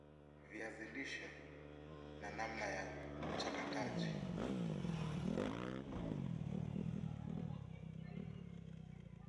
viazi lishe na namna ya uchakataji